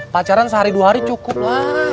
pacaran sehari dua hari cukup lah